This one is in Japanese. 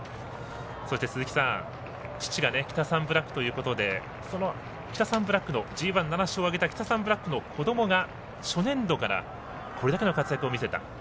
そして、父がキタサンブラックということでＧＩ、７勝をあげたキタサンブラックの子供が初年度からこれだけの活躍を見せた。